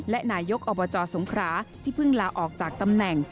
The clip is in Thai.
และนายกอบจสงคราที่เพิ่งลาออกจากตำแหน่ง